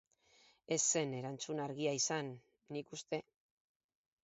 Ez zen erantzun argia izan, nik uste.